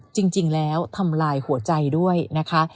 จริงแล้วทำลายหัวใจด้วยนะคะ